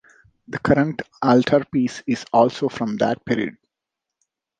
The current altarpiece is also from that period.